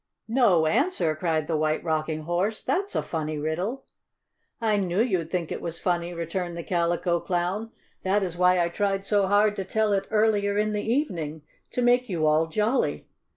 "No answer!" cried the White Rocking Horse. "That's a funny riddle!" "I knew you'd think it was funny," returned the Calico Clown. "That is why I tried so hard to tell it earlier in the evening, to make you all jolly.